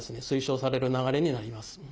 推奨される流れになります。